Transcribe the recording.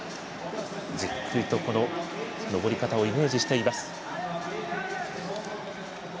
じっくりと登り方をイメージしています。